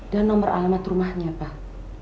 dan nomor alamat rumahnya pak